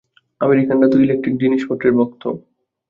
আমেরিকানরা তো ইলেকট্রিক জিনিসপত্রের ভক্ত।